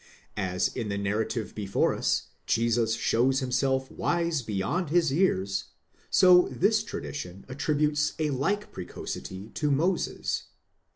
As in the narrative before us Jesus shows himself wise beyond his years, so this tradition attributes a like precocity to Moses